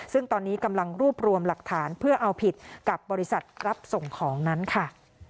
ซึ่งตอนนี้กำลังรวบรวมหลักฐานเพื่อเอาผิดกับบริษัทรับส่งของนั้นค่ะ